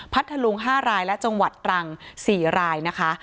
ทะลุง๕รายและจังหวัดตรัง๔รายนะคะ